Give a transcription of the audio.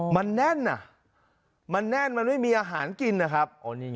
มันแน่นอ่ะมันแน่นมันไม่มีอาหารกินนะครับ